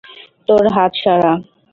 তোর হাত সরা!